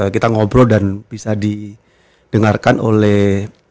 kita ngobrol dan bisa didengarkan oleh